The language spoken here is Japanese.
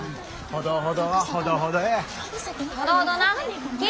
ほどほどはほどほどや。